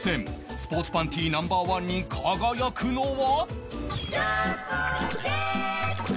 スポーツパンティ Ｎｏ．１ に輝くのは？